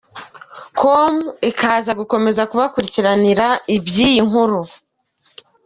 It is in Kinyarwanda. com ikaza gukomeza kubakurikiranira ibyiyi nkuru.